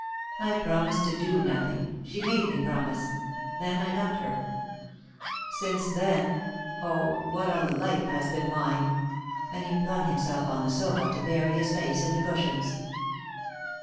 I promised to do nothing she made me promise then I left her. Since then oh, what a life mine has been!" and he flung himself on the sofa to bury his face in the cushions.